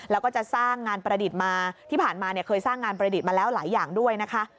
แล้วก็จะสร้างงานประดิษฐ์มาที่ผ่านมาเนี่ยเคยสร้างงานประดิษฐ์มาแล้วหลายอย่างด้วยนะคะ